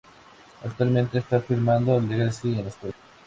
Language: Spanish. Actualmente, está filmando "Legacy" en Escocia.